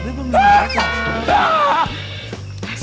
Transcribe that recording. be belum nyenggol